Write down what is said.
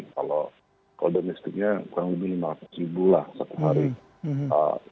kalau domestiknya kurang lebih lima ratus ribu lah sehari